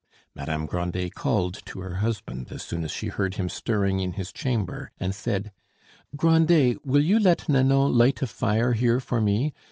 Madame Grandet called to her husband as soon as she heard him stirring in his chamber, and said, "Grandet, will you let Nanon light a fire here for me?